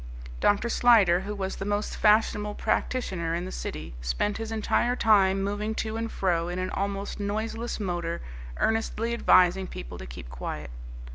Dr. Slyder, who was the most fashionable practitioner in the City, spent his entire time moving to and fro in an almost noiseless motor earnestly advising people to keep quiet.